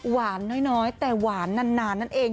หวานน้อยแต่หวานนานนั่นเอง